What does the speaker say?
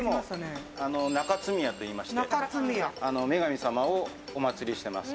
中津宮と言いまして、女神様をおまつりしています。